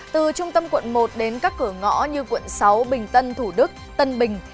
từ trung tâm quận một đến các cửa ngõ như quận sáu bình tân thủ đức tân bình